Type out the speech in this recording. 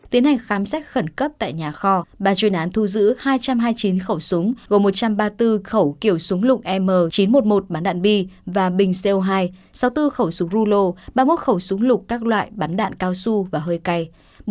tiến hành khám xét khẩn cấp tại nhà kho ban chuyên án thu giữ hai trăm hai mươi chín khẩu súng gồm một trăm ba mươi bốn khẩu kiểu súng lụng m chín trăm một mươi một bắn đạn bi và bình co hai sáu mươi bốn khẩu súng rulo ba mươi một khẩu súng lục các loại bắn đạn cao su và hơi cay